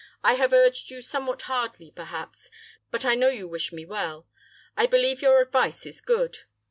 I have urged you somewhat hardly, perhaps, but I know you wish me well. I believe your advice is good.